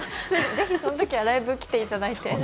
ぜひそのときはライブに来ていただいて。